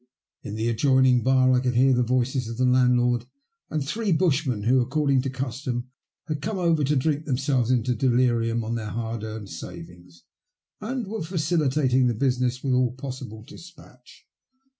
In the adjoining bar I could hear the voices of the landlord and three bushmen who, according to custom, had come over to drink themselves into delirium on their hard earned savings, and were facilitating the business with all possible despatch.